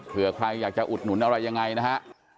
เพื่อใครอยากจะอุดหนุนอะไรยังไงนะฮะ